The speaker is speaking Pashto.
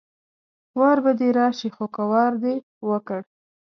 وار به دې راشي خو که وار دې وکړ